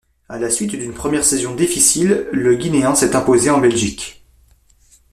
À la suite d'une première saison difficile, le Guinéen s'est imposé en Belgique.